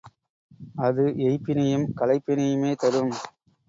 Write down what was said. அது எய்ப்பினையும் களைப்பினையுமே தரும்.